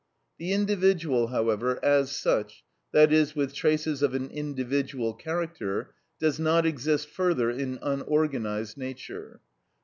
The individual, however, as such, that is, with traces of an individual character, does not exist further in unorganised nature.